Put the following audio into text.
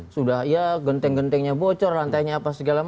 sudah ya genteng gentengnya bocor lantainya apa segala macam